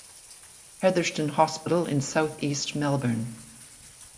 Heatherton Hospital in south east Melbourne.